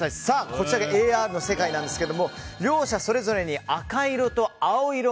こちらがＡＲの世界なんですが両者それぞれに赤色と青色